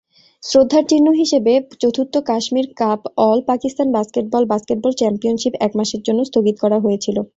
শ্রদ্ধার চিহ্ন হিসাবে চতুর্থ Kashmir cup all Pakistan basketball basketball championship এক মাসের জন্য স্থগিত করা হয়েছিল।